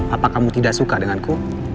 apa kamu tidak suka denganku